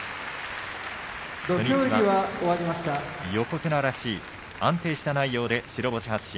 初日は横綱らしい安定した内容で白星発進。